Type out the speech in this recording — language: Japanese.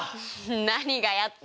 何が「やった！」